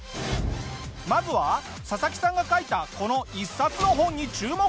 まずはササキさんが書いたこの一冊の本に注目だ！